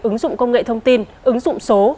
ứng dụng công nghệ thông tin ứng dụng số